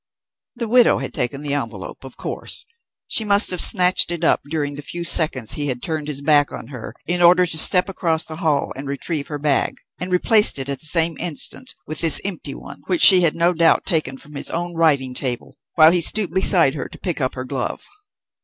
The widow had taken the envelope, of course. She must have snatched it up during the few seconds he had turned his back on her in order to step across the hall and retrieve her bag, and have replaced it at the same instant with this empty one which she had no doubt taken from his own writing table while he stooped beside her to pick up her glove.